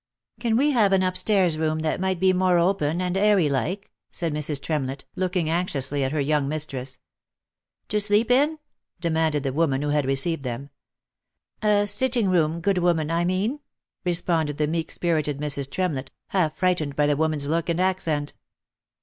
" Can we have an up stairs room that might be more open and airy like V*. said Mrs. Tremlett, looking anxiously at her young mistress. " To sleep in ?" demanded the woman who had received them. " A sitting room, good woman, I mean," responded the meek spirited Mrs. Tremlett, half frightened by the woman's look and accent.